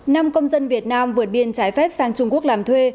năm công dân việt nam vượt biên trái phép sang trung quốc làm thuê